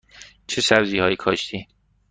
چه سبزی هایی کاشتی؟